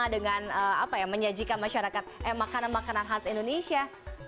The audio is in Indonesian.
dengan apa ya menyajikan masyarakat eh makanan makanan khas indonesia